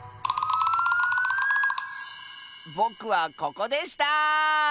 ぼくはここでした！